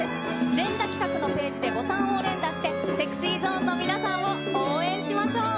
連打企画のページでボタンを連打して、ＳｅｘｙＺｏｎｅの皆さんを応援しましょう。